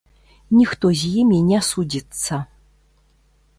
Ніхто з імі не судзіцца.